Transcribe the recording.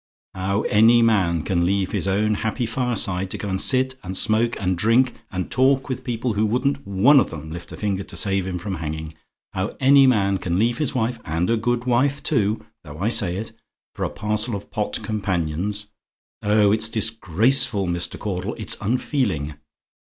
"How any man can leave his own happy fireside to go and sit, and smoke, and drink, and talk with people who wouldn't one of 'em lift a finger to save him from hanging how any man can leave his wife and a good wife, too, though I say it for a parcel of pot companions oh, it's disgraceful, Mr. Caudle; it's unfeeling.